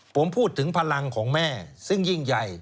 ผมพูดถึงพลังของแม่ซึ่งยิ่งใหญ่